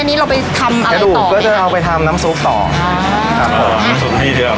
อันนี้เราไปทำอะไรต่อกระดูกก็จะเอาไปทำน้ำซุปต่ออ่าน้ำซุปนี้ที่อร่อย